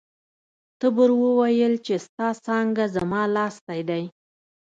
تبر وویل چې ستا څانګه زما لاستی دی.